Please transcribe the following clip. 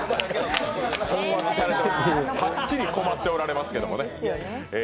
はっきり困っておられますけれどもね。